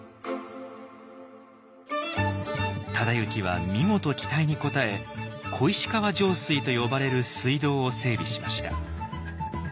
忠行は見事期待に応え「小石川上水」と呼ばれる水道を整備しました。